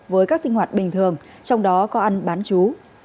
với các sinh hoạt bình thường trong đó có ăn bán chú